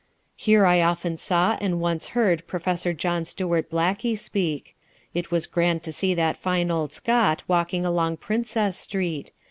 Here I often saw and once heard Prof. John Stuart Blackie speak. It was grand to see that fine old Scot walking along Princess Street.